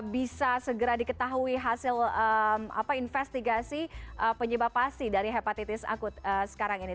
bisa segera diketahui hasil investigasi penyebab pasti dari hepatitis akut sekarang ini